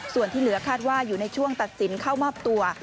ส่วนที่เหลือคาดว่าอยู่ในช่วงตัดสินเข้ามอบตัว